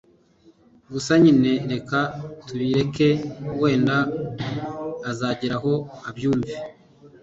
gusa nyine reka tubireke wenda azageraho abyumve